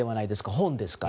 本ですから。